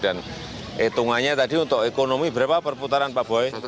dan hitungannya tadi untuk ekonomi berapa perputaran pak boy